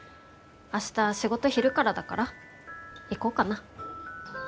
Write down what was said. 明日仕事昼からだから行こうかな。